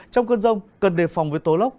trong cơn rông cần đề phòng với tố lốc